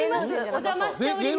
お邪魔しております。